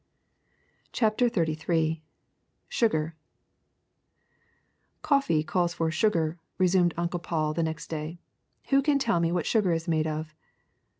'' CHAPTER XXXIII SUGAR COFFEE calls for sugar," resumed Uncle Paul the next day. '^Who can tell me what sugar is made of?"